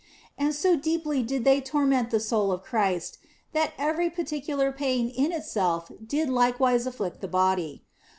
And so deeply did they torment the soul of Christ, that each particular pain in itself did like wise afflict the body.